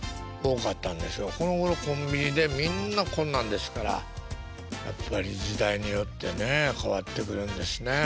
このごろコンビニでみんなこんなんですからやっぱり時代によってね変わってくるんですね。